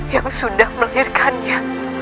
yang sudah melahirkannya